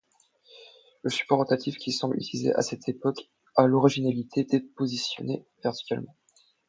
Le support rotatif qu'il semble utiliser à cette époque a l'originalité d'être positionné verticalement.